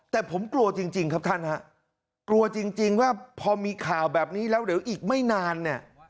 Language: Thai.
แต่ผมกลัวจริงครับท่านฮะกลัวจริงว่าพอมีข่าวแบบนี้แล้วเดี๋ยวอีกไม่นานเนี่ย